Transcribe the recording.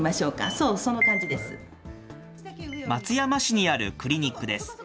松山市にあるクリニックです。